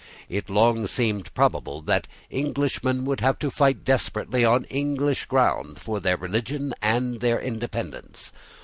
It long seemed probable that Englishmen would have to fight desperately on English ground for their religion and independence.